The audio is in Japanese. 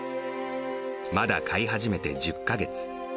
まだ飼い始めて１０か月。